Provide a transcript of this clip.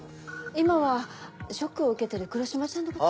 今はショックを受けてる黒島ちゃんのこと。